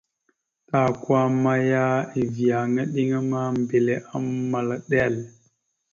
Tahakwa maya, eviyeŋa inne ma, mbile amal iɗel.